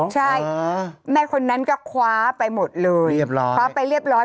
ใช่แม่คนนั้นก็คว้าไปหมดเลยคว้าไปเรียบร้อย